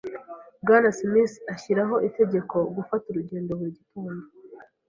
Bwana Smith ashyiraho itegeko gufata urugendo buri gitondo.